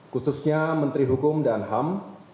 khususnya menteri hukum dan ham